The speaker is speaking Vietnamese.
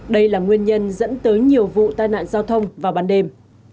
đây là nguyên nhân dẫn tới nhiều vụ tai nạn giao thông vào ban đêm